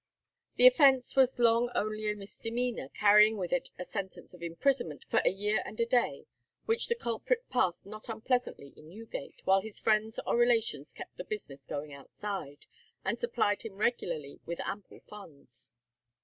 The offence was long only a misdemeanour, carrying with it a sentence of imprisonment for a year and a day, which the culprit passed not unpleasantly in Newgate, while his friends or relations kept the business going outside, and supplied him regularly with ample funds.